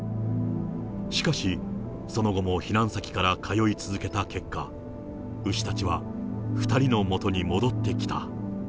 しかし、その後も避難先から通い続けた結果、牛たちは、２人のもとに戻ってきた。